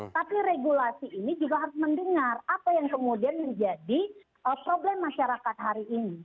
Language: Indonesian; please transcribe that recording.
tapi regulasi ini juga harus mendengar apa yang kemudian menjadi problem masyarakat hari ini